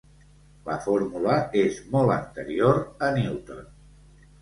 La fórmula és molt anterior a Newton.